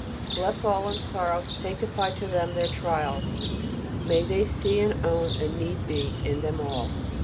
Bless all in sorrow, sanctify to them their trials, may they see and own a "need be" in them all.